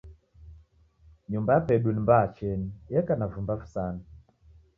Nyumba yapedu ni mbaa cheni, eka na vumba visanu.